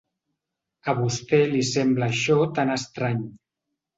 A vostè li sembla això tan estrany.